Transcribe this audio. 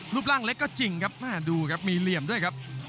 รูปร่างเล็กก็จริงครับหน้าดูมีเหลี่ยมด้วยครับ